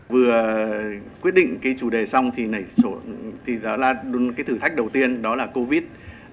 vừa quyết định chủ đề xong thì thử thách đầu tiên đó là covid một mươi chín